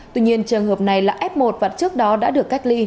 tuy nhiên trường hợp này là f một và trước đó đã được cách ly